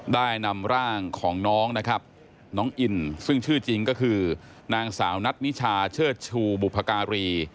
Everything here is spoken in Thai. ได้นำร่างของน้องนะครับน้องอินซึ่งชื่อจริงก็คือนางสาวนัทนิชาเชิดชูบุพการี